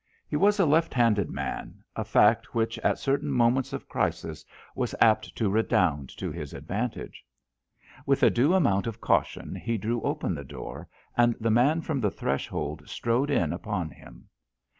He was a left handed man, a fact which at certain moments of crisis was apt to redound to his advantage. With a due amount of caution he drew open the door, and the man from the threshold strode in upon him.